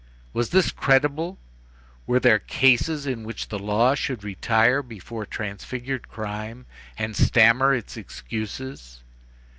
Was this credible? were there cases in which the law should retire before transfigured crime, and stammer its excuses?